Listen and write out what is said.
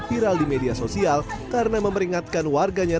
viral di media sosial karena memberingatkan warganya